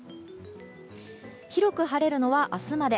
広く晴れるのは明日まで。